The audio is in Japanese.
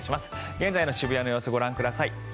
現在の渋谷の様子ご覧ください。